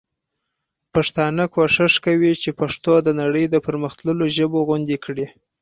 پښتانه کوښښ کوي چي پښتو د نړۍ د پر مختللو ژبو غوندي کړي.